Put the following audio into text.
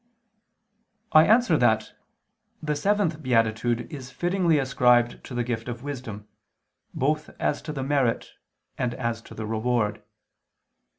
I answer that, The seventh beatitude is fittingly ascribed to the gift of wisdom, both as to the merit and as to the reward.